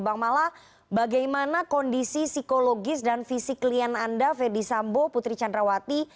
bang mala bagaimana kondisi psikologis dan fisik klien anda fedy sambo putri candrawati